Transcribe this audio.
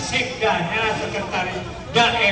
saya ini bukan ini